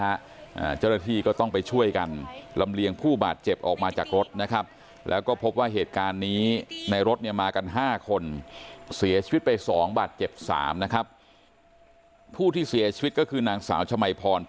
อ่าเจ้าหน้าที่ก็ต้องไปช่วยกันลำเลียงผู้บาดเจ็บออกมาจากรถนะครับ